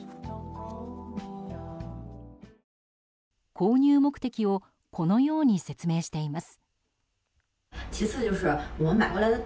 購入目的をこのように説明しています。